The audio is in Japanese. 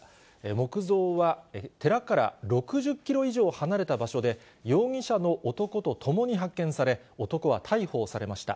木像は寺から６０キロ以上離れた場所で、容疑者の男とともに発見され、男は逮捕されました。